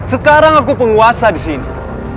sekarang aku penguasa disini